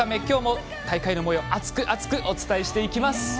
きょうも大会のもよう熱く、熱くお伝えしていきます。